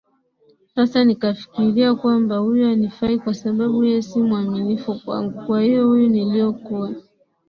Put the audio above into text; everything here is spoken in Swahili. Sasa nikafikiria kwamba huyu hanifai kwa sababu yeye si mwaminifu kwangu kwahiyo huyu niliokuwa